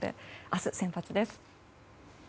明日、先発です。